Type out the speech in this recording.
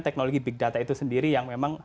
teknologi big data itu sendiri yang memang